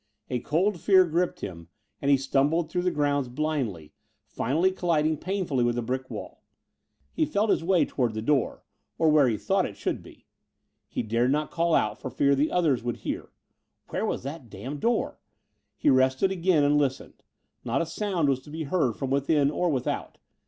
A cold fear gripped him and he stumbled through the grounds blindly, finally colliding painfully with the brick wall. He felt his way toward the door, or where he thought it should be. He dared not call out for fear the others would hear. Where was that damned door? He rested again and listened. Not a sound was to be heard from within or without.